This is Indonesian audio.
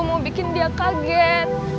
mau bikin dia kaget